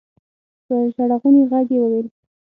په ژړغوني غږ يې وويل.